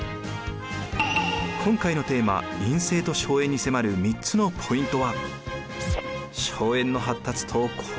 今回のテーマ「院政と荘園」に迫る３つのポイントは。